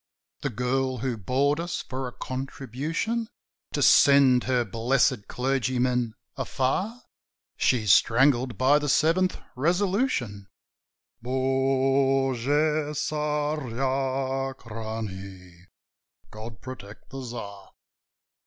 "The girl who bored us for a contribution To send her blessed clergyman afar?" "She's strangled by the Seventh Resolution: Bogu Tsarachnie! God protect the Tsar!"